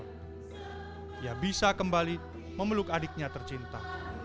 dia bisa kembali memeluk adiknya tercinta